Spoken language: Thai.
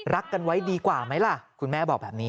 รักกันไว้ดีกว่าไหมล่ะคุณแม่บอกแบบนี้